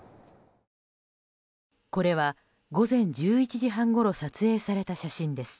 これは午前１１時半ごろ撮影された写真です。